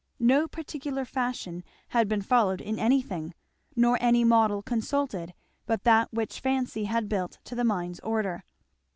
No particular fashion had been followed in anything, nor any model consulted but that which fancy had built to the mind's order.